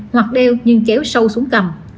hoặc đeo nhưng kéo sâu xuống cầm